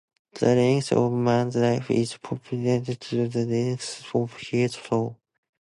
The length of a man's life is proportioned to the length of his soul.